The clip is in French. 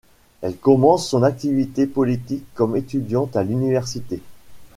Elle commence son activité politique comme étudiante à l'université.